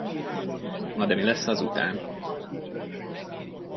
Na de mi lesz azután?